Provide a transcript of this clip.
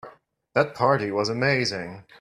That party was amazing.